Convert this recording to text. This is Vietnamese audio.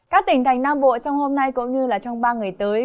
các tỉnh thành nam bộ trong hôm nay cũng như trong ba ngày tới